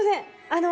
あの。